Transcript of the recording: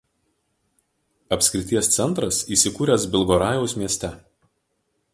Apskrities centras įsikūręs Bilgorajaus mieste.